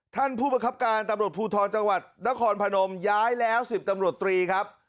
ท่านผู้ประคับการตำรวจภูทรจังหวัดนครพนมย้ายแล้ว๑๐ตำรวจตรีครับ